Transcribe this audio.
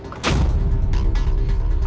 untuk mencari penyembuh